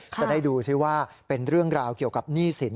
จะได้ดูซิว่าเป็นเรื่องราวเกี่ยวกับหนี้สิน